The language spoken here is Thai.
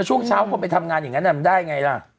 ช่วงเช้าพี่ทำงานงั้นมันได้ไงล่ะ